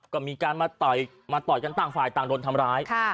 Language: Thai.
ก็มีการมาต่อยมาต่อยกันต่างฝ่ายต่างโดนทำร้าย